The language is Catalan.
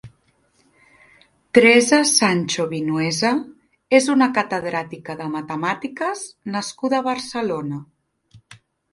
Teresa Sancho Vinuesa és una catedràtica de matemàtiques nascuda a Barcelona.